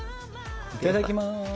いただきます。